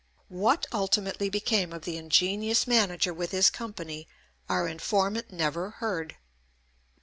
What ultimately became of the ingenious manager with his company, our informant never heard.